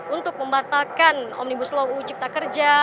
untuk membatalkan omnibus law uu cipta kerja